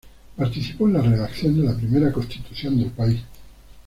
Participó en la redacción de la primera Constitución del país.